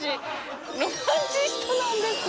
ロマンチストなんです。